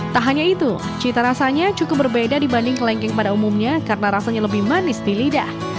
tak hanya itu cita rasanya cukup berbeda dibanding kelengkeng pada umumnya karena rasanya lebih manis di lidah